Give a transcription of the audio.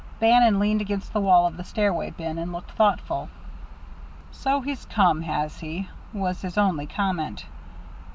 Bannon leaned against the wall of the stairway bin, and looked thoughtful. "So he's come, has he?" was his only comment.